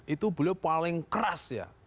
itu beliau paling keras ya